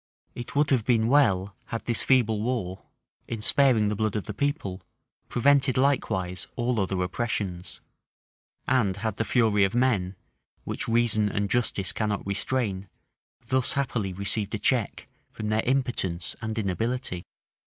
It would have been well, had this feeble war, in sparing the blood of the people, prevented likewise all other oppressions; and had the fury of men, which reason and justice cannot restrain, thus happily received a check from their impotence and inability.